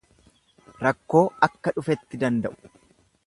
Rakkoo akka dhufetti danda'u.